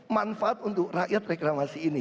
manfaat untuk rakyat reklamasi ini